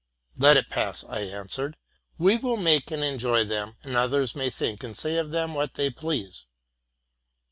''—'* Let. it pass,'" I answered: '* we will make and enjoy them, and the others may think and say of them what they please."